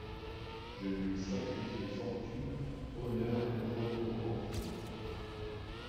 Je lui ai sacrifié fortune, honneur, repos, enfants.